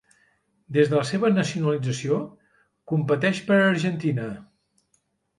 Des de la seva nacionalització, competeix per Argentina.